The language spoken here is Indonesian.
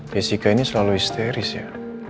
jessica ini selalu histeris ya